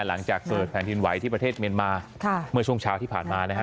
หลังจากเกิดแผ่นดินไหวที่ประเทศเมียนมาเมื่อช่วงเช้าที่ผ่านมานะฮะ